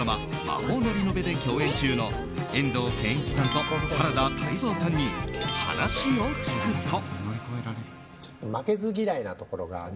「魔法のリノベ」で共演中の遠藤憲一さんと原田泰造さんに話を聞くと。